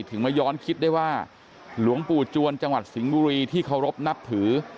มาย้อนคิดได้ว่าหลวงปู่จวนจังหวัดสิงห์บุรีที่เคารพนับถือ